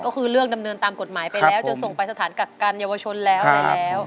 ก็คือเลือกดำเนินตามกฎหมายไปแล้วจะส่งไปสถานกักกันเยาวชนแล้วได้แล้ว